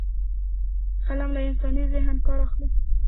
قلم له انساني ذهنه کار اخلي